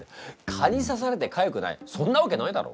蚊に刺されてかゆくないそんなわけないだろ！